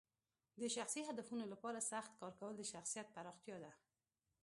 د شخصي هدفونو لپاره سخت کار کول د شخصیت پراختیا ده.